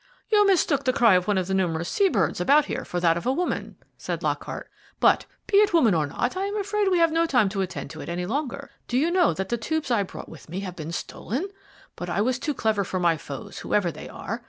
"You mistook the cry of one of the numerous sea birds about here for that of a woman," said Lockhart; "but, be it woman or not, I am afraid we have no time to attend to it any longer. Do you know that the tubes I brought with me have been stolen? But I was too clever for my foes, whoever they are.